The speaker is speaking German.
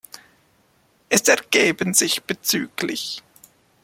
Es ergeben sich bzgl.